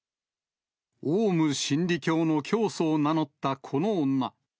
オウム真理教の教祖を名乗ったこの女。